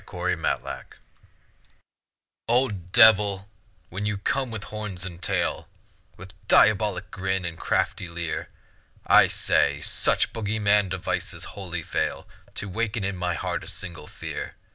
THE TEMPTRESS Old Devil, when you come with horns and tail, With diabolic grin and crafty leer; I say, such bogey man devices wholly fail To waken in my heart a single fear.